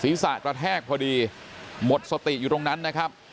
กระแทกพอดีหมดสติอยู่ตรงนั้นนะครับ